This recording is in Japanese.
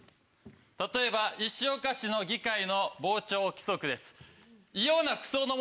例えば石岡市の議会の傍聴規則です。